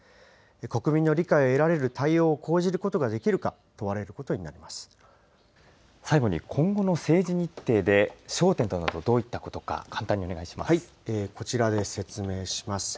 国民の理解を得られる対応を講じることができるか、問われること最後に、今後の政治日程で焦点となるのはどういったことか、簡単にお願いこちらで説明します。